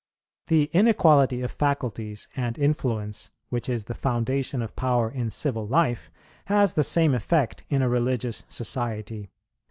... The inequality of faculties and influence, which is the foundation of power in civil life, has the same effect in a religious society.